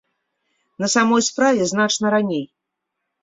На самой справе значна раней.